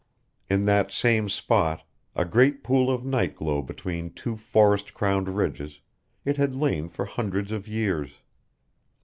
In that same spot, a great pool of night glow between two forest crowned ridges, it had lain for hundreds of years.